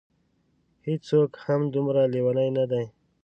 هېڅوک هم دومره لېوني نه دي.